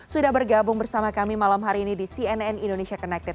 sudah bergabung bersama kami malam hari ini di cnn indonesia connected